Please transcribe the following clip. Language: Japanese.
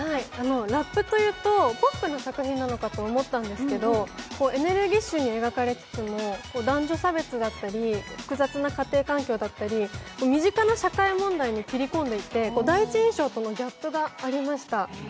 ラップというと、ポップな作品なのかと思ったんですけど、エネルギッシュに描かれつつも男女差別だったり複雑な家庭環境だったり難しい話題に進んでいて第一印象とのギャップがありました。